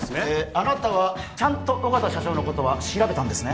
あなたはちゃんと緒方社長のことは調べたんですね